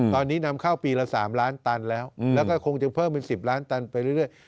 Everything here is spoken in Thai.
ตอนนี้นำเข้าปีละ๓ล้านตันแล้วแล้วก็คงจะเพิ่มเป็น๑๐ล้านตันไปเรื่อย